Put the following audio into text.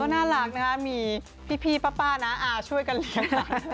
ก็น่ารักนะมีพี่ป๊านะช่วยกันเรียก